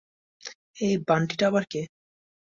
এই বান্টিটা আবার কে?